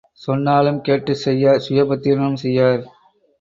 சொன்னாலும் கேட்டுச் செய்யார் சுய புத்தியுடனும் செய்யார்.